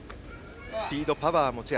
スピード、パワーが持ち味。